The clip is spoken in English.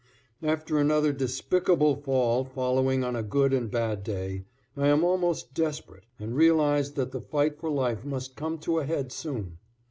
= After another despicable fall following on a good and bad day, I am almost desperate and realize that the fight for life must come to a head soon.